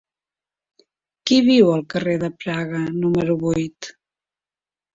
Qui viu al carrer de Praga número vuit?